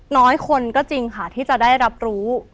น้อยคนก็จริงค่ะที่จะได้รับรู้